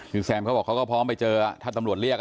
คือแซมเขาบอกเขาก็พร้อมไปเจอถ้าตำรวจเรียก